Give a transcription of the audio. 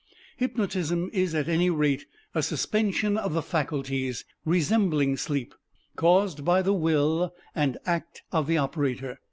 Hypnotism is at any rate a suspension of the faculties, resembling sleep, caused by the will and act of the operator.